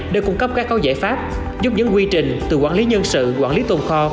để cung cấp các cấu giải pháp giúp những quy trình từ quản lý nhân sự quản lý tồn kho